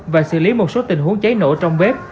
và xử lý một số tình huống cháy nổ trong bếp